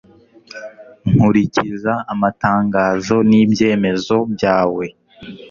Nkurikiza amatangazo n’ibyemezo byawe